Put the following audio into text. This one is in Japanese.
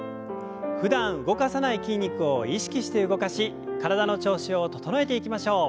ふだん動かさない筋肉を意識して動かし体の調子を整えていきましょう。